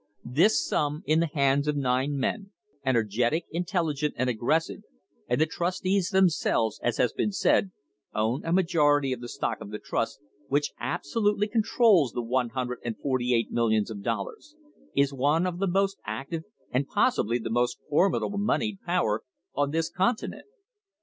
This sum in the hands of nine men, energetic, intelligent, and aggressive and the trustees themselves, as has been said, own a majority of the stock of the trust which absolutely controls the one hundred and forty eight millions of dollars is one of the most active and possibly the most formidable moneyed power on this continent.